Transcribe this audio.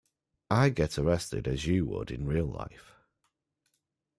I get arrested as you would in real life.